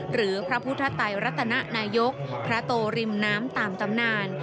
หรือพระพุทธไตรรัตนนายกพระโตริมน้ำตามตำนาน